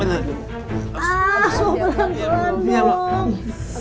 aduh pelan pelan dong